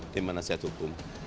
tim manasihat hukum